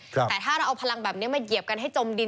แต่ถ้าเราเอาพลังแบบนี้มาเหยียบกันให้จมดิน